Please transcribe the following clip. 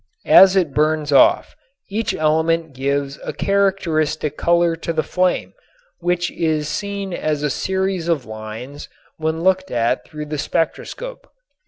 As it burns off, each element gives a characteristic color to the flame, which is seen as a series of lines when looked at through the spectroscope.